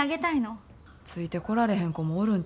ついてこられへん子もおるんちゃうか？